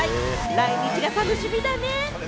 来日が楽しみだね。